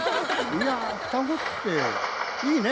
いや双子っていいね！